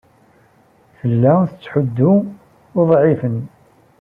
Tella tettḥuddu uḍɛifen.